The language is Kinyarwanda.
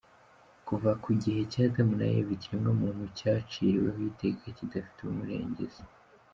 Kuva ku gihe cya Adamu na Eva, ikiremwamuntu cyaciriweho iteka kidafite umurengezi.